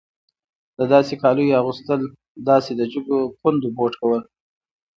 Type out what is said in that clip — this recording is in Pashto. د داسې کالیو اغوستل داسې د جګو پوندو بوټ کول.